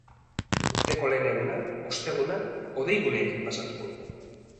Urteko lehen eguna, osteguna, hodeiguneekin pasako dugu.